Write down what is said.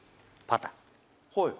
パター」